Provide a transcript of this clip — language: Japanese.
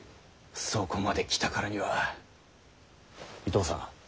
そこまで来たからには伊藤さん。